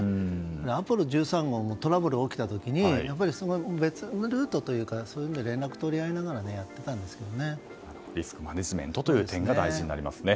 アポロ１３号もトラブルが起きた時に別のルートで連絡取り合いながらリスクマネジメントが大事になりますね。